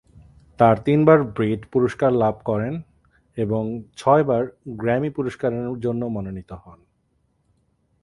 তার তিনবার ব্রিট পুরস্কার লাভ করেন এবং ছয়বার গ্র্যামি পুরস্কারের জন্য মনোনীত হন।